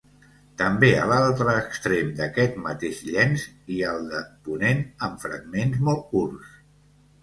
També a l'altre extrem d'aquest mateix llenç i al de ponent en fragments molt curts.